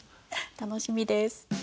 楽しみです。